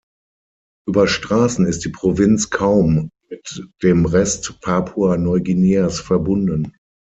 Über Straßen ist die Provinz kaum mit dem Rest Papua-Neuguineas verbunden.